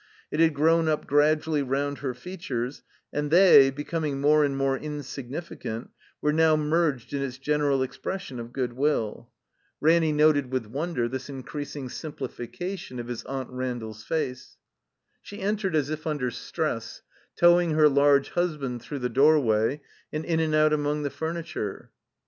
It had grown up gradually round her features, and they, becoming more and more insignificant, were now merged in its general expression of good will. Ranny noted 47 THE COMBINED MAZE with wonder this increasing simplification of his Aunt Randall's face. She entered as if under stress, towing her large husband through the doorway, and in and out among the furniture.